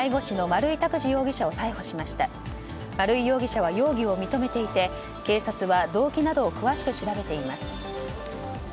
丸井容疑者は容疑を認めていて警察は動機などを詳しく調べています。